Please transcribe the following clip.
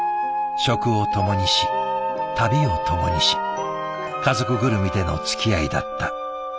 食を共にし旅を共にし家族ぐるみでのつきあいだった。